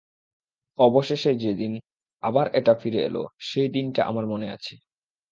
অবশেষে যেদিন আবার এটা ফিরে এলো, সেই দিনটা আমার মনে আছে।